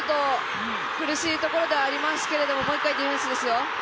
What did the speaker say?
今、苦しいところではありますけれども、もう一回ディフェンスですよ。